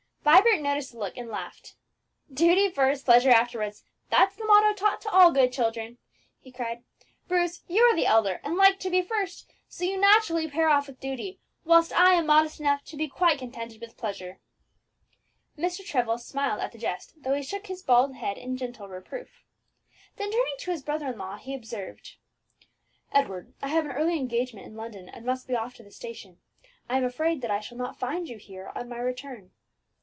Vibert noticed the look, and laughed. "Duty first pleasure afterwards that's the motto taught to all good little children!" he cried. "Bruce, you are the elder, and like to be first, so you naturally pair off with duty, whilst I am modest enough to be quite contented with pleasure." Mr. Trevor smiled at the jest, though he shook his bald head in gentle reproof. Then turning to his brother in law, he observed, "Edward, I have an early engagement in London, and must be off to the station. I am afraid that I shall not find you here on my return."